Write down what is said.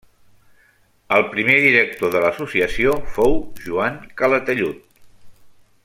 El primer director de l'associació fou Joan Calatayud.